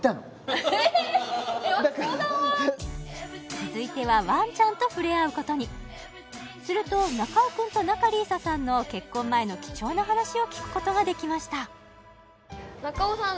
続いてはワンちゃんと触れ合うことにすると中尾君と仲里依紗さんの結婚前の貴重な話を聞くことができました中尾さん